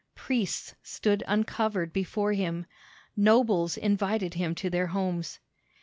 Priests stood uncovered before him; nobles invited him to their homes.